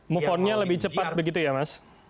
move on nya lebih cepat begitu ya mas